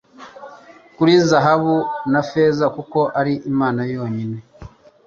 kuri zahabu na feza kuko ari Imana yonyine